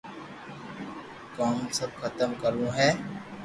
ڪوم سب ختم ڪروہ ھي